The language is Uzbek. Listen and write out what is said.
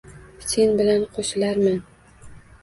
Sen bilan qoʼshilarman.